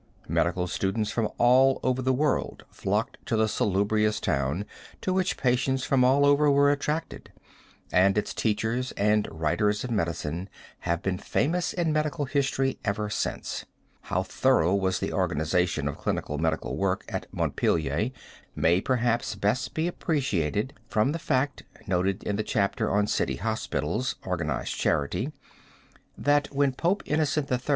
Medical students from all over the world flocked to the salubrious town to which patients from all over were attracted, and its teachers and writers of medicine have been famous in medical history ever since. How thorough was the organization of clinical medical work at Montpelier may perhaps best be appreciated from the fact, noted in the chapter on City Hospitals Organized Charity, that when Pope Innocent III.